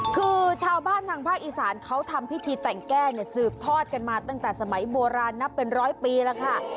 คือชาวบ้านทางภาคอีสานเขาทำพิธีแต่งแก้เนี่ยสืบทอดกันมาตั้งแต่สมัยโบราณนับเป็นร้อยปีแล้วค่ะ